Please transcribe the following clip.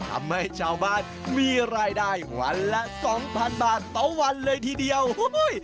ทำให้ชาวบ้านมีรายได้วันละสองพันบาทต่อวันเลยทีเดียวโอ้โห